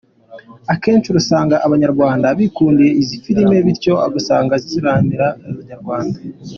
Akenshi usanga abanyarwanda bikundiye izi filime bityo ugasanga ziraryamira iz’Abanyarwanda.